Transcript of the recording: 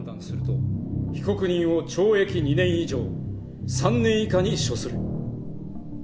被告人を懲役２年以上３年以下に処する。